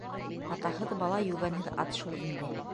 - Атаһыҙ бала - йүгәнһеҙ ат шул инде.